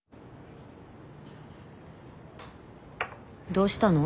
どうしたの？